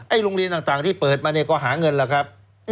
โรงเรียนต่างที่เปิดมาเนี่ยก็หาเงินแล้วครับ